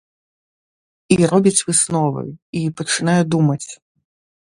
І робіць высновы, і пачынае думаць.